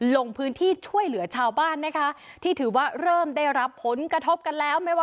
ลงพื้นที่ช่วยเหลือชาวบ้านนะคะที่ถือว่าเริ่มได้รับผลกระทบกันแล้ว